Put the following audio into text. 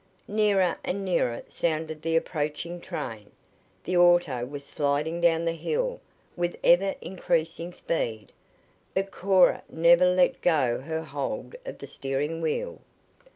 Nearer and nearer sounded the approaching train. The auto was sliding down the hill with ever increasing speed, but Cora never let go her hold of the steering wheel.